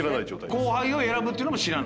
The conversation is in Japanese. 後輩を選ぶってのも知らん。